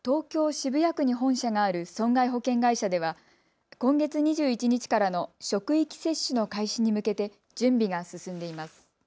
渋谷区に本社がある損害保険会社では今月２１日からの職域接種の開始に向けて準備が進んでいます。